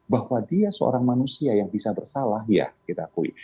bahwa dia seorang manusia yang bisa bersalah ya kita akui